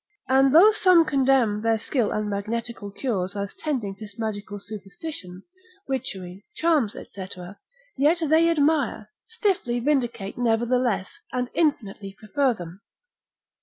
And though some condemn their skill and magnetical cures as tending to magical superstition, witchery, charms, &c., yet they admire, stiffly vindicate nevertheless, and infinitely prefer them.